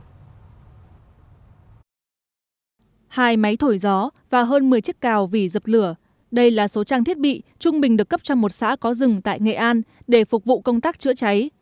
hai máy thổi gió và hơn một mươi chiếc cào vì dập lửa đây là số trang thiết bị trung bình được cấp cho một xã có rừng tại nghệ an để phục vụ công tác chữa cháy